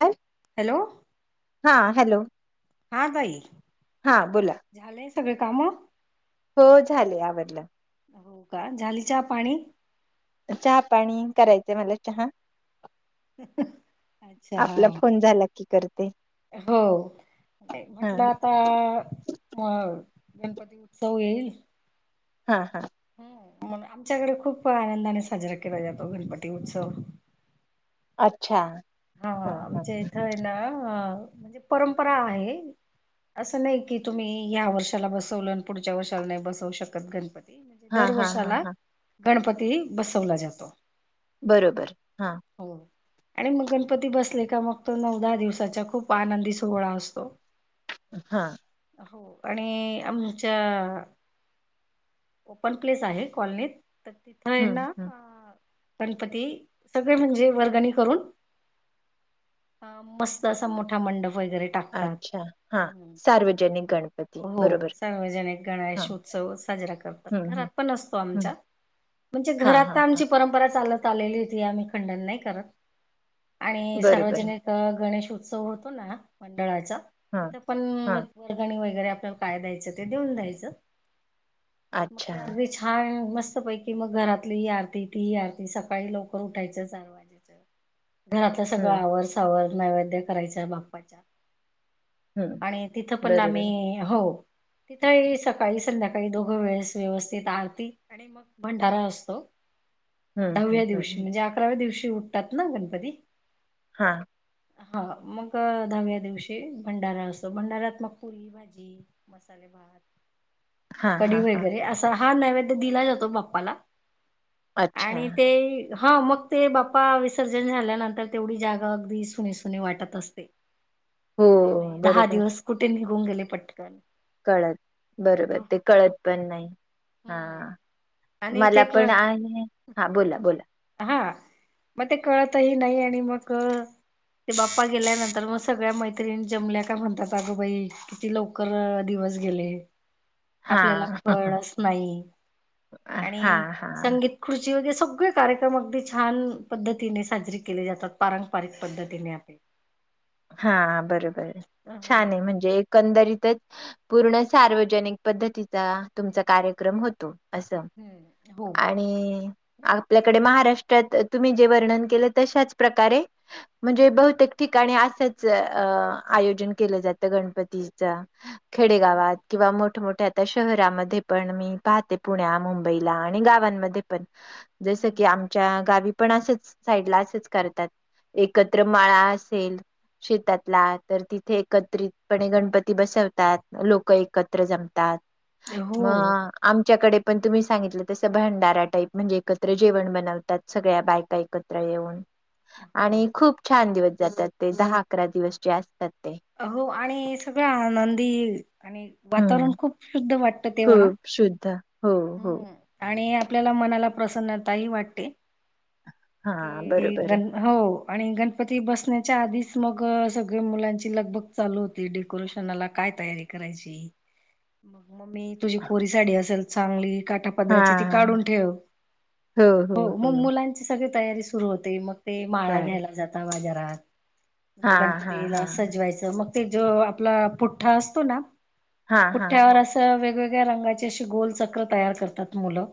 आ hello हा hello हा भाई हा बोला झालं सगळे काम हो झाले आवडलं हो का झालीच्या पाणी चहा पाणी करायचंय मला चहा ह अच्छा हा आपला फोन झाला की करते हो हा म्हटलं आता म गणपती उत्सव येईल हा हा ह मग आमच्याकडे खूप आनंदाने साजरा केला जातो गणपती उत्सव अच्छा हा आमच्या इथं आहे ना म्हणजे परंपरा आहे असं नाही की तुम्ही या्या वर्षाला बसवलं आणि पुढच्या वर्षाला नाही बसवू शकत गणपती म्हणजे हा हा हा दरवर्षाला हा गणपती बसवला जातो बरोबर हा हो आणि मग गणपती बसले का मग तो नऊ दहा दिवसाचा खूप आनंदी सोहळा असतो हा हो आणि आमच्या ओपन प्लेस आहे कॉलनीत? तर तिथ ये हम्म ना हम्म हा गणपती सगळे म्हणजे वर्गणी करून हा मस्त असा मोठा मंडप वगैरे टाकतात. अच्छा हा हम्म सार्वजनिक गणपती हो बरोबर सार्वजनिक हा गणेश उत्सव साजरा कर हम्म घरात हम्म पण असतो हम्म आमच्या, म्हणजे हा हा घरातन आमची परंपरा चालत त आलेली होती आम्ही खंडन नाही करत. आणि बरोबर सार्वजनिक गणेश उत्सव होतो ना मंडळाचा हा तिथं पण म हा वर्गणी वगैरे आपल्याला काय द्यायचं ते देऊन द्यायचं मग अच्छा ते अगदी छान मस्त पैकी मग घरातली ही आरती ती ही आरती सकाळी लवकर उठायचं सर्वा घरातलं सगळं हम्म आवर सावर नैवेद्य करायच बाप्पाच्या हम्म आणि तिथं पण बरोबर आम्ही हो तिथ ही सकाळी संध्याकाळी दोघ वेळेस व्यवस्थित आरती मग भंडारा असतो, हम्म हम्म दहाव्या हम्म दिवशी हम्म. म्हणजे अकराव्या दिवशी उठतात ना गणपती. हा. हा मग दहाव्या दिवशी भंडारा असतो भंडऱ्याात मग पुरी भाजी मसालेले भात हा हा कडी हा वगैरे असा हा नैवेद्य दिला जातो बाप्पाला अच्छा आणि ते ह मग ते बा्पा विसर्जन झाल्यानंतर तर तेवढी जागा अगदी सुनी सुनी वाटत असते हो अरे नाही दहा बरोबर दिवस कुठे निघून गेले पटकने कळत बरोबर ते कळत पण नाही हा. हम्म आणि ते मला पण कळत आहे, हा बोला बोला. हा म ते कळतही नाही आणि मग ते बाप्पा गेल्यानंतर मग सगळ्या मैत्रिणी जमल्या का म्हणतात अगं बाई किती लव कर दिवस गेले. हा आपल्याला फळच नाही आणि हा हा संगीत खुर्ची वगैरे सगळे कार्यक्रम अगदी छान पद्धतीने साजरी केले जात तात पारंपरिक पद्धतीने आहे. हा बरोबर आहे हो छान हे म्हणजे एक कंदरीतच पूर्ण सार्वजनिक पद्धतीचा तुमचा कार्यक्रम होतो. असं हम्म हो आणि आपल्याकडे महाराष्ट्रात तुम्ही जे वर्णन केलं तशाच प्रकारे म्हणजे बहुतेक ठिकाणी असंच अ आयोजन केलं जातं गणपतीच. खेडे गावात हो किंवा मोठ मोठ्या आता शहरामध्ये पण मी पाहते पुण्या मुंबईला आणि गावांमध्ये पण जस की हम्म आमच्या गावी पण असच साईडला असच करतात एकत्र माळा असेल शेतातला तर तिथे एकत्रितपणे गणपती बसवतात लोक एकत्र जमतात म. हो आमच्याकडे पण तुम्ही सांगितलं तसं भंडारा टाईप म्हणजे एकत्र जेवण बनवतात सगळ्या बायका एक त्र येऊन हो आणि खूप छान दिवस जातात ते दहा अकरा दिवस जे असतात ते. अ हो आणि सगळं आनंदी आणि वातावरण हम्म खूप शुद्ध वाट खूप शुद्ध हो हो. आणि आपल्याला मनाला प्रसन्नता ही वाटते हा की बरोबर गन हो आणि गणपती बसण्याच्या आधीच मग सगळे मुलांची लगभग चालू होती डेकोरेशनला काय तयारी करायची मग मम्मी तुझी कोरी साडी असेल चांगली काटा हा पदराची ती काढून ठेव हो मग मुलां ती सगळी तयारी सुरू होते मग ते माळा चालेल घ्यायला जाता बाजारात मं ते हा हा गणपतीला हा सजवायचं मग ते जो आपला पुठ्ठा असतो ना हा हा पुठ्यावर असं वेगवेगळ्या रंगाची अशी गोलचक्र तयार करतात मुलं.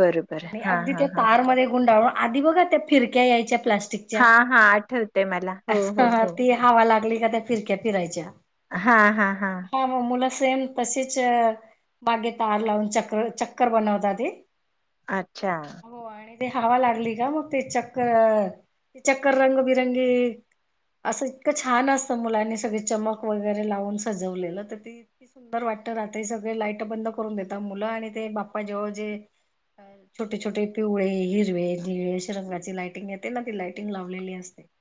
बरोबर आणि हा अगदी हा त्या हा तार मधे गुंडाळून आधी बघा त्या फिरक्या यायच्या प्लास्टिक हा हा आठवते मला हो हो हो ती हवा लागली का त्या फिरक्या फिरायच्या. हा हा हा हा मुलं सेम तशीच बागेत तार लावून चक चक्कर बनवता ते अच्छा हो आणि ते हवा लागली का मग ते चक्कर ते चक्कर रंगबिरंगी असं इतकं छान असतं मुलांनी सगळी चमक वगैरे लावून सजवलेलं तर ते किती सुंदर वाटत रात्री सगळे लाइट बंद करून देतात मुलं आणि ते बाप्पा जेव्हा जे छोटे छोटे पिवळे हिरवे निळेश रंगाची लायटिंग येते ना ती लायटिंग लावलेली असते. [inaudible]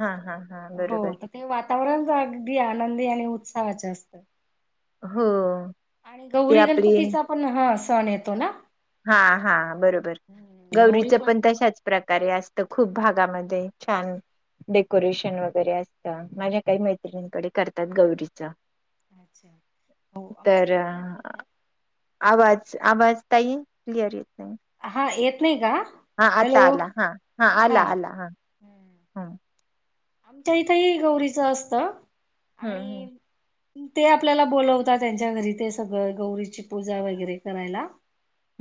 हा हा हा हो बरोबर तर ते वातावरणच अगदी आनंदी आणि उत्साहाच असतं. हो. आणि ते गौरी आपली गणपतीचा पण हा सण येतो ना? हा हा बरोबर हम्म, गौरी गौरीचं पण तशाच प्रकारे असत खूप भागामध्ये छान डेकोरेशन वगैरे असत माझ्या काही मैत्रिणीकडे करतात गौरी अच्छा हो आमच्या तर इथं पण अ, करतात. आवाज आवाज ताई क्लिअर येत नाही. हा येत नाही का? हा आता हॅलो आला हा हा आला आला हा हम्म. आमच्या इथंही गौरीच असत हं, हं. आणि ते आपल्याला बोलवतात त्यांच्या घरी ते सगळं गौरीची पूजा वगैरे करायला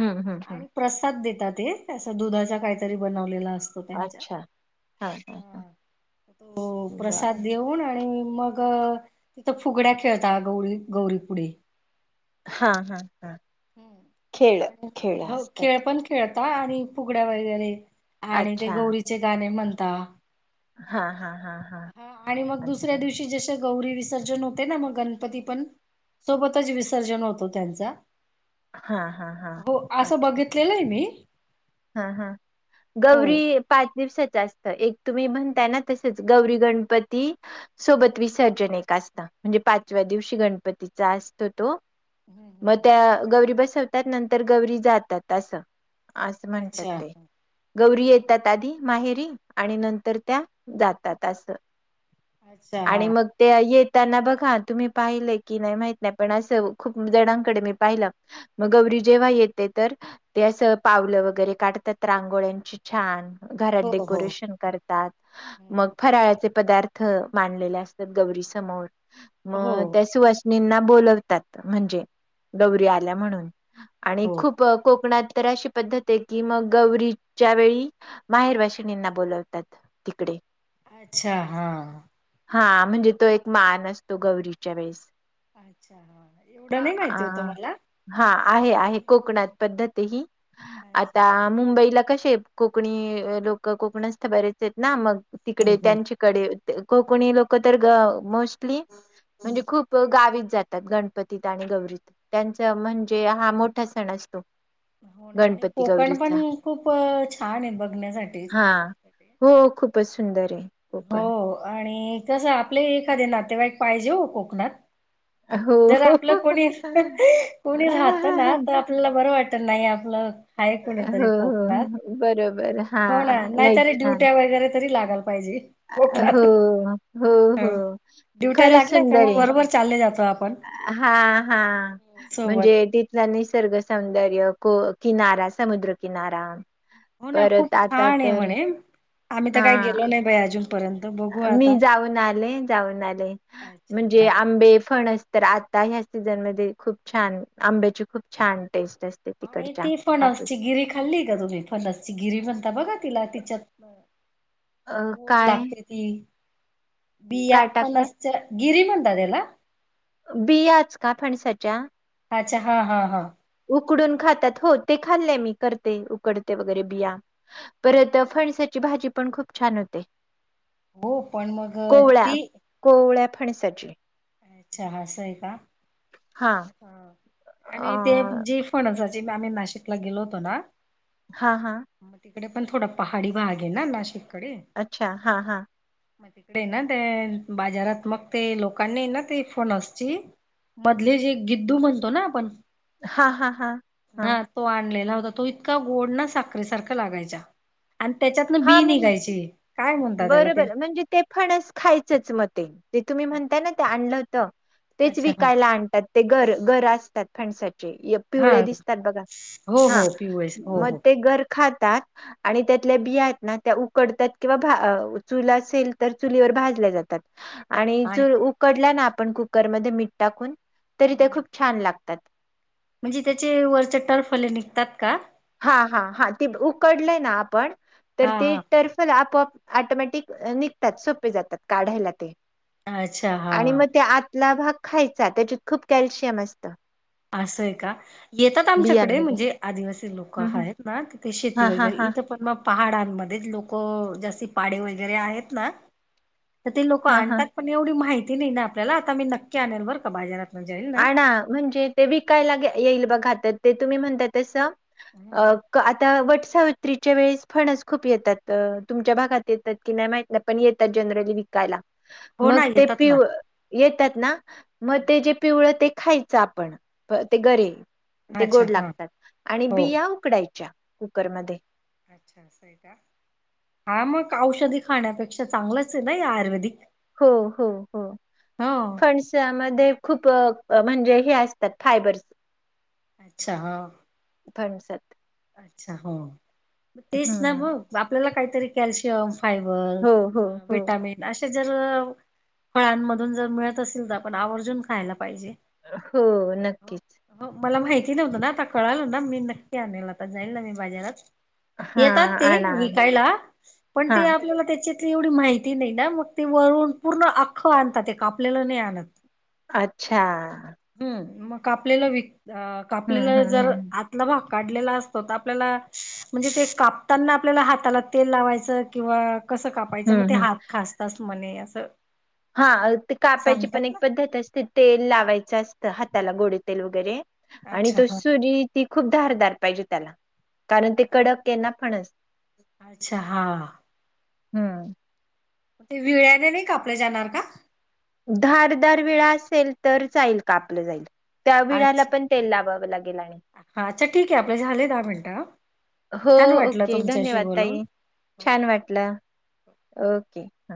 हं, हं, हं. आणि प्रसाद देतात ते असं दुधाचा काहीतरी बनवलेला असत. अच्छा हा हा हा तो प्रसाद देऊन आणि मग तिथं फुगड्या खेळत गौरी गौरी पुुढे हा हा हा खेळ आणि खेळ हो खेळ असतात. पण खेळता आणि फुगड्या वगैरे आणि ते अच्छा. गौरीचे गाणे म्हणता. हा हा हा ह आणि मग दुसऱ्या दिवशी जश गौरी विसर्जन होते ना मग गणपती पण सोबतच विसर्जन होतो त्यांचा. हां, हां, हां. हो असं बघितलेलं आहे मी हा हा हो गौरी पाच दिवसाच असत एक तुम्ही म्हणताय ना तसच गौरी गणपती सोबत हम्म, विसर्जन एक असत म्हणजे पाचव्या दिवशी गणपतीचा असतो तो हम्म, मग हम्म. त्या गौरी बसवतात नंतर गौरी जातात असं असं म्हणतात अच्छा ते गौरी येतात आधी माहेरी आणि नंतर त्या जातात अस अच्छा हा आणि मग ते येताना बघा तुम्ही पाहिलं की नाही माहित नाही पण असं खूप जणांकडे मी पाहिलं मग गौरी जेव्हा येते तर ते असं पावलं वगैरे काढतात रांगोळ्यांची छान घरात हो हो डेकोरेशन करते. मग फराळचे पदार्थ मांडलेले असतात गौरी समोर हो मग त्या सुवासनींना बोलवतात म्हणजे गौरी आल्या म्हणून आणि हो खूप कोकणात तर अशी पद्धत ते की मग गौरीच्या वेळी माहेर वाषिणींना बोलवतात तिकडे अच्छा हां. हा म्हणजे तो एक मान असतो गौरीच्या वेळेस. अच्छा ह अ, एवढं नाही माहिती होतं आ मला. हा आहे अच्छा आहे कोकणात पद्धत ही आता हा मुंबईला कसे कोकणी लोक कोकणच तर बरायचे आहेत ना मग. तिकडे हम्म हम्म त्यांच्याकडे कोकणी लोक तर ग मोस्टली म्हणजे खूप गावीच जातात गणपतीत आणि गौरीत त्यांच म्हणजे हा मोठा सण असतो. हो ना आणि गणपती कोकण गौरीचा पण खूप छान आहे बघण्यासाठीच हा. हो खूपच सुंदर आहे. कोकण हो आणि कसं आपले एखादे नातेवाईक पाहिजे हो कोकणात हो. जर आपलं कोणी कोणी राहत ना तर आपला बरं वाटत नाही आपलं आहे हो, कुणीतरी कोकणात हो. बरोबर. हो ना हां. लई नाहीतरी छान. ड्युट्या वगैरे तरी लागाल. पाहिजे हो हो हो. ड्युट्या खरंच लागल्या तर मग बरोबर चालले जातो आपण हा हा सोबत. म्हणजे ते निसर्ग सौंदर्य को किनारा समुद्रकिनारा. हो ना खूप परत आता छान आहे तर म्हणे आम्ही तर काही हां. गेलो नाही बाई अजूनपर्यंत बघू मी आता. जाऊन आले जाऊन आले अच्छा म्हणजे हा आंबे फणस. तर आता ह्या सीझन मध्ये खूप छान आंब्याची खूप छान टेस्ट असते. आणि तिकडच्या. ती फणस हापूस ची गिरी खाल्ली का तुम्ही फणसची गिरी म्हणता बघा, तिला तिच्यात हा अ, गोड काय? लागते. त बिया काय टाकतात? फणसच्या गिरी म्हणत त्याला बियाच का फणसाच्या. अच्छा हा हा हा. उकडून खातात हो ते खाल्ले मी करते उकडते वगैरे बिया. परत फणसाची भाजी पण खूप छान होते. हो पण मग कोवळ्या ती कोवळ्या फणसाची. अच्छा हा अस आहे का? हा अ आणि ते जी फणसाची आम्ही नाशिकला गेलो होतो ना हा हा. इकडे पण थोडा पहाडी भाग आहे ना नाशिककडे. अच्छा हा हा. ते ना ते बाजारात मग ते लोकांनी ना ते फणसची मधले जे गुड्डू म्हणतो ना आपण हा हा हा हा. तो आणलेला होता तो इतका गोड ना साखरे सारखा लागायचा. आणि त्याच्यातन हा बी म्हण निघायची. काय म्हणतात त्याला ते बरोबर म्हणजे ते फणस खायचंच मते ते तुम्ही म्हणताय ना ते आणलं होत. तेच अच्छा हा विकायला आणतात ते गर गर असतात फणसाचे हा पिवळे दिसतात बघा हो हा हो पीओएस हो मग हो ते गर खातात आणि त्यातल्या बियात ना त्या उकडतात किंवा अ चूल असे तर चुलीवर भाजले जातात आणि जे कडला ना आपण कुकरमध्ये मीठ टाकून तरी ते हम्म. खूप छान लागतात. म्हणजे त्याचे वरचे टर्फले निघतात का? हा हा हा ते उकडलं ना आपण तर हा ते हा टर्फले आपोआप ऑटोमॅटिक निघतात सोपे जातात काढायला ते अच्छा हा आणि मग ते आ ला भाग खायचा त्याच्यात खूप कॅल्शियम असतं. असंय का येतात आमच्याकडे बियांमध्ये. म्हणजे आदिवासी लोक हं हं आहेत. ना तिथे शेती हां हां वगैरे हां इथं पण मग पहाडांमध्ये लोक जाती पाडे वगैरे आहेत ना तर ते लोक हां हां. आणतात पण एवढी माहिती नाही ना आपल्याला आता मी नक्की आणेन बर का बाजारा आणा म्हणजे ते विकायला येईल ब घातात ते तुम्ही म्हणता तस हम्म, अ हम्म. आता वटसा तिच्या वेळेस फणच खूप येतात तुमच्या भागात येतात की नाही माहितलं पण येतात जनरली वी कायला हो ना मग ते येतात पि ना येतात ना मग ते जे पिवळ ते खायचं आपण ते गरे ते अच्छा गोड हा लागतात आणि हो. बिया. उकडायच्या कुकरमध्ये अच्छा स का हा मग औषधी खाण्यापेक्षा चांगलंच आहे ना आयुर्वेदिक. हो हो हो. हो. फंड्स मध्ये खूप म्हणजे हे असतात फायबरस अच्छा हा फणसत अच्छा हो तेच ना हम्म. मग आपल्याला काहीतरी कॅल्शियम हो हो हो. विटामिन जरवर फळांमधून जर मिळत असेल तर आपण आवर्जून खायला पाहिजे. हो हो नक्कीच हो मला माहिती नव्हतं ना आता कळाल ना मी नक्की आणल आता जाईल ना मी बाजारात हा येतात ते आणा विकायला पण हा. ते आपल्याला त्याचे ली एवढी माहिती नाही ना मग ते वरून पूर्ण अख्खं आणतात ते कापलेलं नाही आणत अच्छा हम् मग कापलेलं विक हम्म कापलेला हम्म जर हम्म. आतला भाग काढलेला अस आपल्याला म्हणजे ते कापताना आपल्याला हाताला तेल लावायचं किंवा कसं कापायचं मग ते हम्म हम्म. हात खासतच म्हणे असं हा ते कापायची सांगतात पण एक ना पद्धत असते तेल लावायचं असतं हाताला गोडे तेल वगैरे आणि अच्छा तो ह सुरी ती खूप धारदार पाहिजे त्याला कारण ते कडक यांना फण असते अच्छा हां हम्म ते विळ्याने नाही कापले जाणार का दार दार वेळा असेल तर जाचाईल का आपलं जाईल त्या विळाला अच्छा पण तेल लावावं लागेल आणि हा अच्छा ठीक आहे आपले झाले दहा मिनिटं हा. हो छान वाटलं ओके तुमच्याशी धन्यवाद बोलून ताई हो छान वाटलं ओके हां.